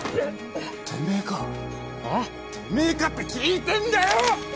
あ？てめぇかって聞いてんだよ！